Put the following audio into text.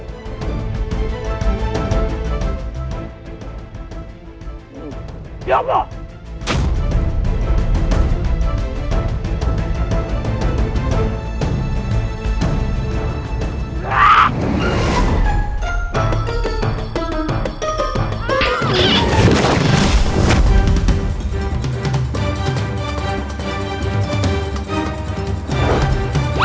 tuh siar putraku